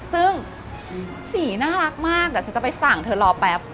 ซึ่งสีน่ารักมากเดี๋ยวฉันจะไปสั่งเธอรอแป๊บ